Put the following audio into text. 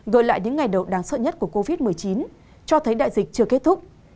gợi lại những ngày đầu đáng sợ nhất của covid một mươi chín cho thấy đại dịch chưa kết thúc